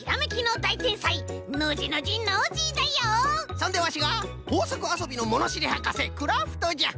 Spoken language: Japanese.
そんでワシがこうさくあそびのものしりはかせクラフトじゃ！